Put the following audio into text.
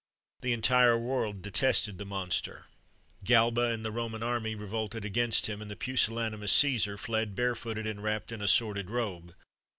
The entire world detested the monster. Galba and the Roman army revolted against him, and the pusillanimous Cæsar fled bare footed, and wrapped in a sordid robe.